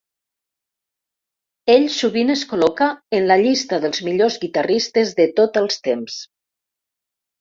Ell sovint es col·loca en la llista de millors guitarristes de tots els temps.